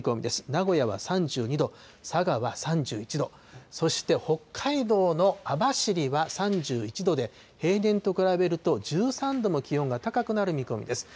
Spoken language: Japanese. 名古屋は３２度、佐賀は３１度、そして北海道の網走は３１度で、平年と比べると１３度も気温が高くなる見込みです。